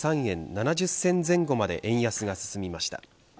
７０銭前後まで円安が進みました。